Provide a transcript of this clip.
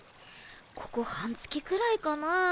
ここ半月くらいかなぁ。